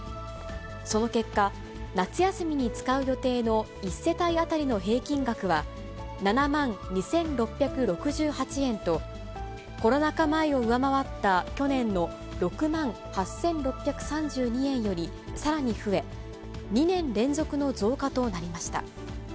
その結果、夏休みに使う予定の１世帯当たりの平均額は、７万２６６８円と、コロナ禍前を上回った去年の６万８６３２円よりさらに増え、２年連続の増加となりました。